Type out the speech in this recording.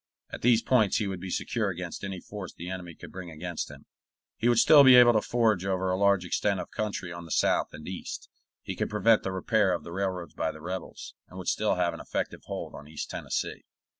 At these points he would be secure against any force the enemy could bring against him; he would still be able to forage over a large extent of country on the south and east, he could prevent the repair of the railroads by the rebels, and he would still have an effective hold on East Tennessee.